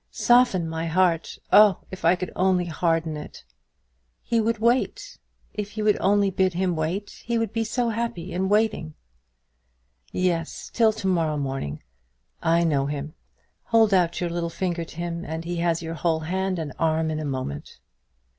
"Soften my heart! Oh, if I could only harden it!" "He would wait. If you would only bid him wait, he would be so happy in waiting." "Yes till to morrow morning. I know him. Hold out your little finger to him, and he has your whole hand and arm in a moment."